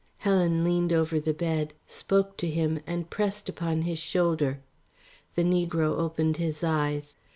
Helen leaned over the bed, spoke to him and pressed upon his shoulder. The negro opened his eyes.